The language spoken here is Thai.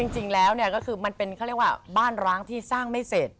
จริงแล้วมันเป็นบ้านร้างที่สร้างไม่เสร็จ